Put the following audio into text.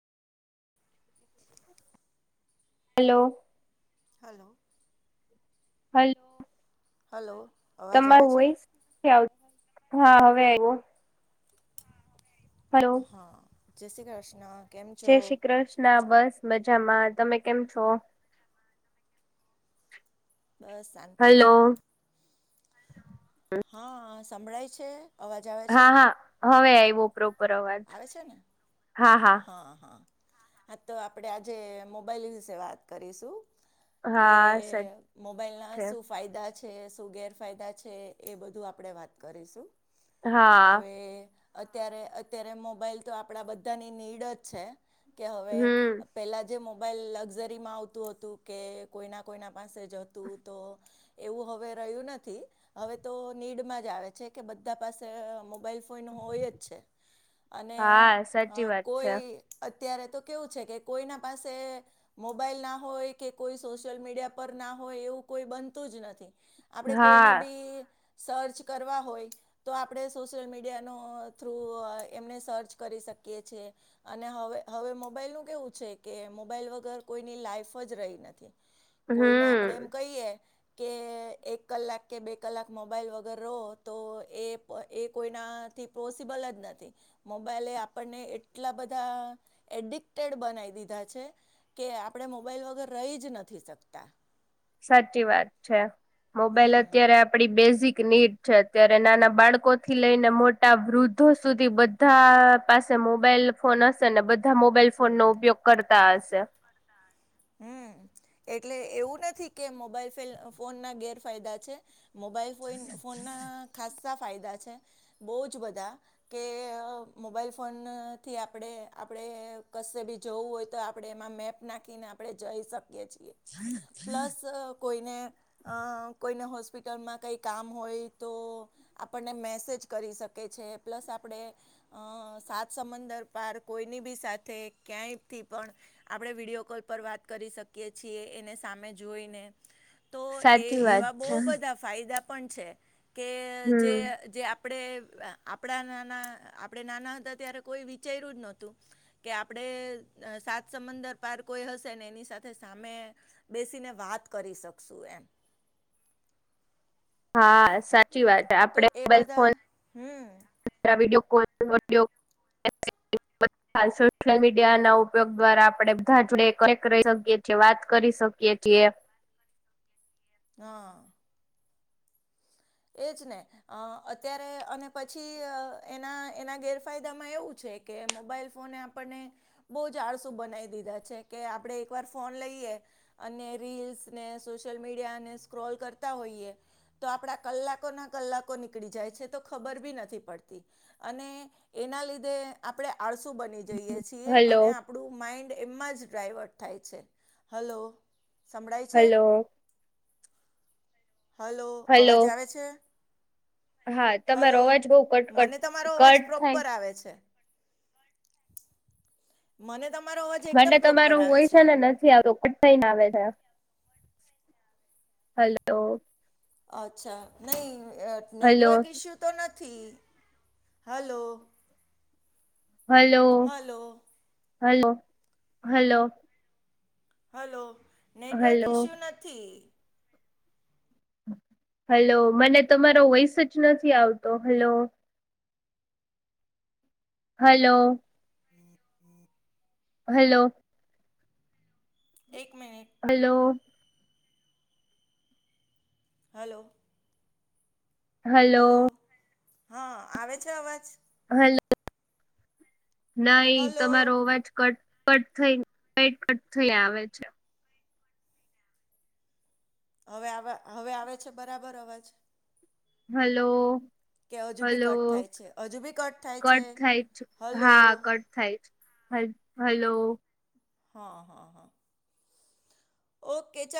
Hello. Hello. હલ hello. અવાજ આવે તમારું છે વોઈસ નથી આવતું હા હવે આયવો હા જે શ્રી કૃષ્ણ કેમ છો જૈશી કૃષ્ણ બસ મજામાં તમે કેમ છો? બસ શાંતિ હલો છે હ હ સંભળાય છે? અવાજ આવે છે હા હા હવે આયવો પ્રોપર અવાજ હા હા. હ હ હા હા તો આપણે આજે મોબાઈલ વિશે વાત કરીશું. એ હા સચ મોબાઈલ ના છે સુફ ફાયદા છે શું ગેરફાયદા છે એ બધું આપણે વાત કરીશું. હા હવે અત્યારે અત્યારે મોબાઈલ તો આપણા બધાની નીડ જ છે. કે હવે હમ પહેલાં જે મોબાઈલ લક્ઝરીમાં આવતું હતું કે કોઈના કોઈના પાસે જતું તો? એવું હવે રહ્યું નથી હવે તો નીડમાં જ આવે છે કે બધા પાસે અ મોબાઈલ કોઈનું હોય જ છે અને હા અ સાચી વાત છે કોઈ અત્યારે તો કેવું છે કે કોઈના પાસે મોબાઈલ ના હોય કે કોઈ સોશિયલ મીડિયા પર ના હોય એવું કોઈ બનતું જ નથી. આપણે કોઈને હા બી સર્ચ કરવા હોય તો આપણે સોશિયલ મીડિયાનો થ્રુ એમને સર્ચ કરી શકીએ છીએ. અને હવે હવે મોબાઈલ નુ કેવું છે કે મોબાઈલ વગર કોઈની લાઈફ જ રહી નથી. કોઈને હમ આપડે એમ કહીએ કે એક કલાક કે બે કલાક મોબાઈલ વગર રહો તો એ એ કોઈના થી પોસિબલ જ નથી મોબાઈલે એ આપણને એટલા બધા એડિક્ટેડ બનાવી દીધા છે. કે આપણે મોબાઈલ વગર રહી જ નથી શકતા. સાચી વાત છે મોબાઈલ હમ અત્યારે આપડી બેઝિક નીડ છે અત્યારે નાના બાળકોથી લઈને મોટા વૃદ્ધો સુધી બધા પાસે મોબાઈલ ફોન હશે ને બધા મોબાઈલ ફોન નો ઉપયોગ કરતા હશે. હમ્મ એટલે એવું નથી કે મોબાઈલ ફેલ ફોનના ગેરફાયદા છે. મોબાઈલ ફોઈ ફોનના ખાસ્સા ફાયદા છે બહુ જ બધા કે મોબાઈલ ફોનથી આપણે આપણે કશે ભી જવું હોય તો આપણે એમાં મેપ નાખીને આપણે જઈ શકીએ છીએ. [inaudible] પ્લસ કોઈને અ કોઈને હોસ્પિટલમાં કંઈ કામ હોય તો આપણને મેસેજ કરી શકે છે પ્લસ આપણે અ સાત સંબંદર પાર કોઈની ભી સાથે ક્યાંયથી પણ આપણે વિડીયો કોલ પર વાત કરી શકીએ છીએ એને સામે જોઈને તો એ સાચી વાત એવા બહુ છે. બધા ફાયદા પણ છે કે જે હમ જે અ આપણે આપણા નાના આપણે નાના હતા ત્યારે કોઈ વિચાર્યું જ નહોતું. કે આપડે સાત સંબંદર પાર કોઈ હશે ને એની સાથે સામે બેસીને વાત કરી શકશું એમ હા સાચી વાત હે તો આપડે એ બધા મોબાઈલફોન હમ પેલા વિડીયો કોલ [unintelligible] [inaudible] હ સોશિયલ મીડિયાના ઉપયોગ દ્વારા આપડણે બધા જોડે રહી શકીએ છીએ, વાત કરી શકીએ છીએ. હા એ જ ને અત્યારે અને પછી એના એના ગેરફાયદામાં એવું છે. કે મોબાઈલ ફોન આપણને બહુ જ જાળસુ બનાવી દીધા છે કે આપણે એક વાર ફોન લઈએ. અને રીલ્સને, સોશિયલ મીડિયા ને સ્ક્રોલ કરતા હોઈએ તો આપડા કલાકોના કલાકો નીકળી જાય છે તો ખબર ભી નથી પડતી અને એના લીધે આપણે આળસુ બની જઈએ છીએ હલો અને આપણું માઇન્ડ એમમાં જ ડાઈવર્ટ થાય છે, હલો સંભળાય છે. હલો હલો હલો અવાજ આવે છે. હા તમારો હલો અવાજ બઉ કટકટ મને તમારો કટ અવાજ કટ થાય પ્રોપર આવે છે. [inaudible] મને તમારો અવાજ મને એકદમ પ્રોપર તમારું આવે હોય છે ને નથી આવતુ થઇને આવે, હલો અચ્છા નહીં હલો નેટવર્ક ઇશ્યુ તો નથી, hello hello hello hello hello hello network hello issue નથી. હલો મને તમારો વોઈસ જ નથી આવતો, હલો હલો [inaudible] હલો એક મિનિટ હલો હલો હલો હા આવે છે, અવાજ હ નાઈ હલો તમારો અવાજ કટ કટ થઈટ કટ થઈ આવે છે. હવે હવે આવે છે બરાબર અવાજ હલો કે હજુ બી હલો કટ થાય છે હજુ બી થાય છે કટ થાય હલો હા કટ થાઈ જ હ હલો હા હા હા ઓકે ચ